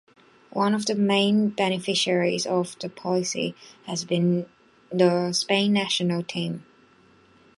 One of the main beneficiaries of the policy has been the Spain national team.